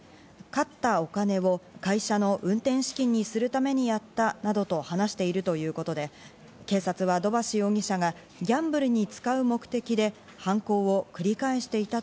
勝ったお金を会社の運転資金にするためにやったなどと話しているということで、警察は土橋容疑者がギャンブルに使う目的で犯行を繰り返していた